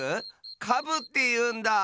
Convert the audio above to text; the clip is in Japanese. カブっていうんだ！